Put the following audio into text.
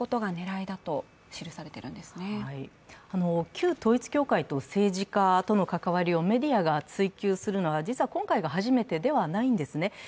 旧統一教会と政治家との関わりをメディアが追及するのは実は今回が初めてではないんですね。